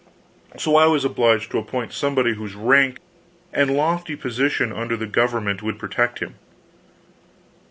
So I was obliged to appoint somebody whose rank and lofty position under the government would protect him.